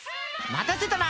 待たせたな！